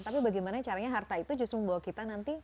tapi bagaimana caranya harta itu justru membawa kita nanti